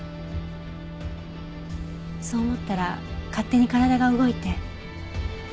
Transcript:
そう思ったら勝手に体が動いて。